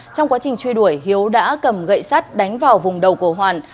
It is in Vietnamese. trong quá trình truy đuổi hiếu đã cầm gậy sắt đánh vào vùng đầu của hoàn